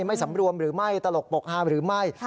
ไม่สำรวมหรือไม่ตลกปกฮาหรือไม่